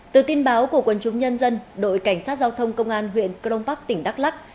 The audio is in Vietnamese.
từ tin báo của quân chúng nhân dân đội cảnh sát giao thông công an huyện crong park tỉnh đắk lắc